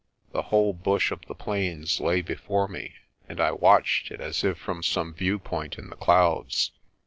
The whole bush of the plains lay before me and I watched it as if from some viewpoint in the clouds.